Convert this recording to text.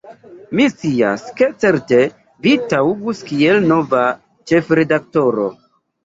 "Mi scias, ke certe vi taŭgus kiel nova ĉefredaktoro.